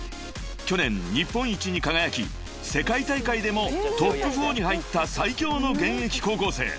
［去年日本一に輝き世界大会でもトップ４に入った最強の現役高校生］